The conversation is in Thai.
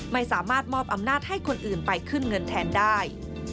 ไม่สามารถมอบอำนาจให้คนอื่นไปขึ้นเงินแทนได้